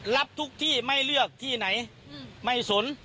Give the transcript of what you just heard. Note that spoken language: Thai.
รับทุกที่ไม่เลือกที่ไหนไม่สน